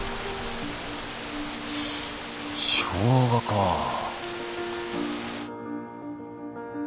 しょうがかあ。